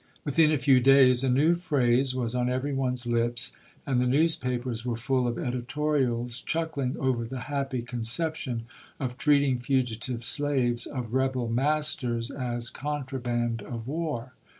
Within a few days, a new phrase was on every one's lips, and the newspapers were full of editorials chuckling over the happy conception of treating fugitive slaves of rebel masters as contra band of war.